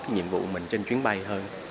cái nhiệm vụ mình trên chuyến bay hơn